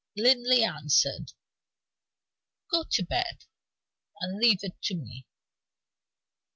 Linley answered: "Go to bed, and leave it to me."